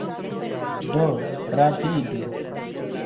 Do rapidu!